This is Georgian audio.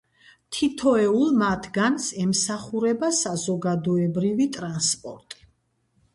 თითოეულ მათგანს ემსახურება საზოგადოებრივი ტრანსპორტი.